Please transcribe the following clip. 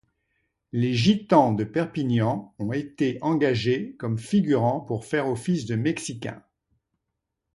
Les gitans de Perpignan ont été engagés comme figurants pour faire office de mexicains.